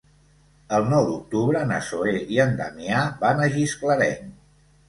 El nou d'octubre na Zoè i en Damià van a Gisclareny.